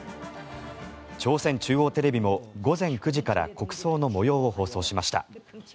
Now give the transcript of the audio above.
朝鮮中央テレビも午前９時から国葬の模様を放送しました。